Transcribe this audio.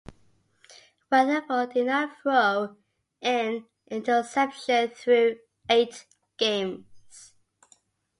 Weatherford did not throw an interception through eight games.